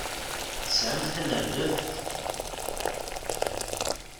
Tesɛamt tanerdabt?